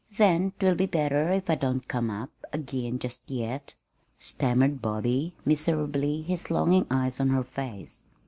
"Then 'twill be better if I don't come up again just yet," stammered Bobby, miserably, his longing eyes on her face.